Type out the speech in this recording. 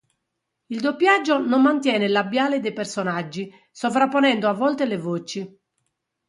Il doppiaggio non mantiene il labiale dei personaggi, sovrapponendo a volte le voci.